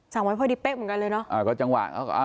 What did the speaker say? สั่งไว้พอดิเป๊ะเหมือนกันเลยเนอะ